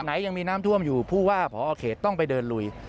ไหนยังมีน้ำท่วมอยู่ผู้ว่าพอเขตต้องไปเดินลุย